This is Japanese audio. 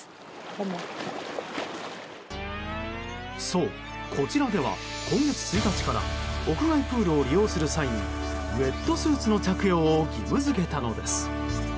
そう、こちらでは今月１日から屋外プールを利用する際にウェットスーツの着用を義務付けたのです。